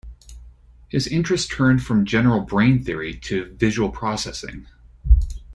His interest turned from general brain theory to visual processing.